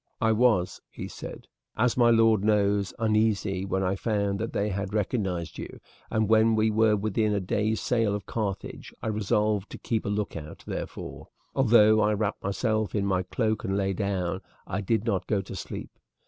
"I was," he said, "as my lord knows, uneasy when I found that they had recognized you, and when we were within a day's sail of Carthage I resolved to keep a lookout therefore, although I wrapped myself in my cloak and lay down, I did not go to sleep.